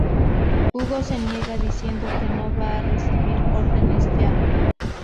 Hugo se niega, diciendo que no va a recibir órdenes ya.